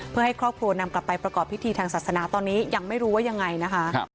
เพื่อให้ครอบครัวนำกลับไปประกอบพิธีทางศาสนาตอนนี้ยังไม่รู้ว่ายังไงนะคะ